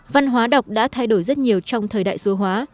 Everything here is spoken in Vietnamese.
văn hóa đọc đã thay đổi rất nhiều trong thời đại số hóa